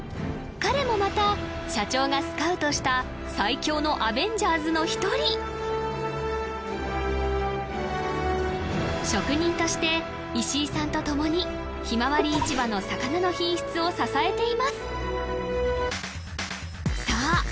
彼もまた社長がスカウトした最強のアベンジャーズの一人職人として石井さんと共にひまわり市場の魚の品質を支えていますさあ